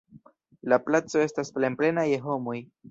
La placo estas plenplena je homoj.